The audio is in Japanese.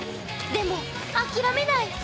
でも諦めない。